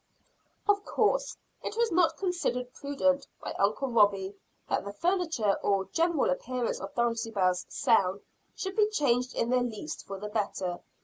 Of course it was not considered prudent by Uncle Robie, that the furniture or general appearance of Dulcibel's cell should be changed in the least for the better.